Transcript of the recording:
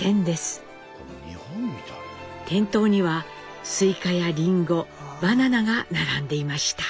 店頭にはスイカやリンゴバナナが並んでいました。